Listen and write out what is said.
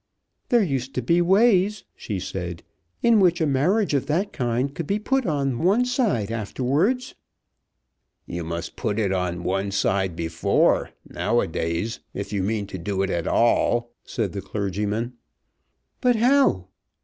"There used to be ways," she said, "in which a marriage of that kind could be put on one side afterwards." "You must put it on one side before, now a days, if you mean to do it at all," said the clergyman. "But how?